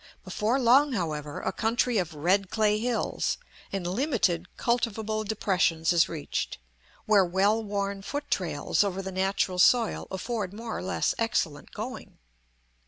Before long, however, a country of red clay hills and limited cultivable depressions is reached, where well worn foot trails over the natural soil afford more or less excellent going.